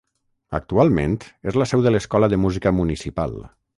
Actualment és la seu de l'Escola de Música Municipal.